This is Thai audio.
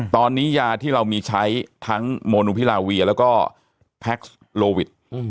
ตอนนี้ยาที่เรามีใช้ทั้งโมนูพิลาเวียแล้วก็แพ็คโลวิท